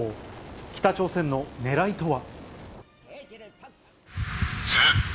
北朝鮮のねらいとは。